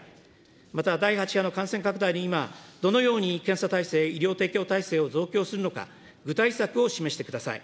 また第８波の感染拡大で今、どのように検査体制、医療提供体制を増強するのか、具体策を示してください。